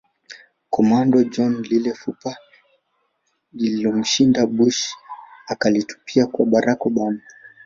Commando John Lile fupa lililomshinda Bush akalitupia kwa Barack Obama